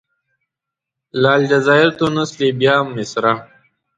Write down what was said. له الجزایر، تونس، لیبیا، مصره.